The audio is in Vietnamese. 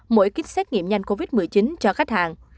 mỗi kích xét nghiệm nhanh covid một mươi chín cho khách hàng